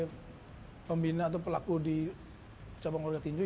sebenarnya sebagai pembina atau pelaku di cabang oligotinju